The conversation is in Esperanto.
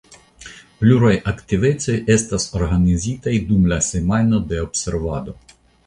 Pluraj aktivecoj estas organizitaj dum la semajno de observado.